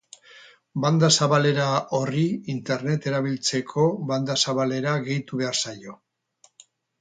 Banda zabalera horri internet erabiltzeko banda zabalera gehitu behar zaio.